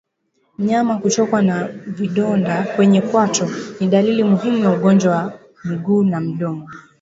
Mnyama kutokwa na vidonda kwenye kwato ni dalili muhimu ya ugonjwa wa miguu na midomo